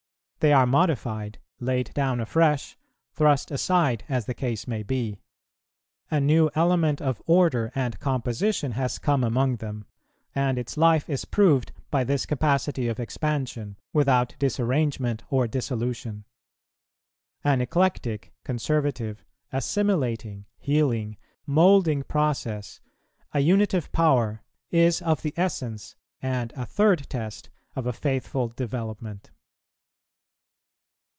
They are modified, laid down afresh, thrust aside, as the case may be. A new element of order and composition has come among them; and its life is proved by this capacity of expansion, without disarrangement or dissolution. An eclectic, conservative, assimilating, healing, moulding process, a unitive power, is of the essence, and a third test, of a faithful development.